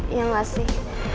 iya gak sih